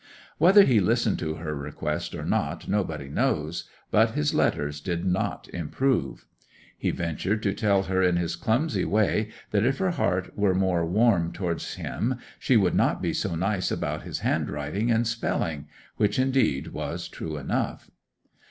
Whether he listened to her request or not nobody knows, but his letters did not improve. He ventured to tell her in his clumsy way that if her heart were more warm towards him she would not be so nice about his handwriting and spelling; which indeed was true enough.